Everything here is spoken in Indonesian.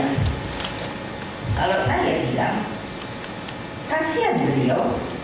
kalau saya bilang kasihan beliau